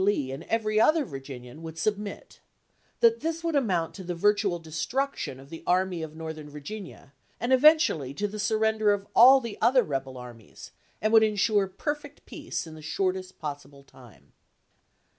Lee and every other Vir ginian would submit ; that this would amount to the virtual destruction of the Army of Northern Virginia, and eventually to the surrender of all the other rebel armies, and would insure perfect peace in the shortest possible time."